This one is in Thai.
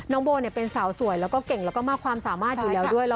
โบเป็นสาวสวยแล้วก็เก่งแล้วก็มากความสามารถอยู่แล้วด้วย